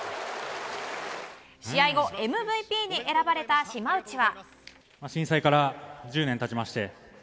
試合後ＭＶＰに選ばれた島内は。